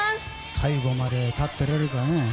最後まで立っていられるかね。